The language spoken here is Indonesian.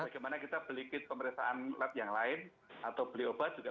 bagaimana kita beli kit pemeriksaan lab yang lain atau beli obat juga